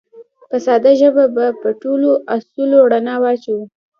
په ساده ژبه به په ټولو اصولو رڼا واچوو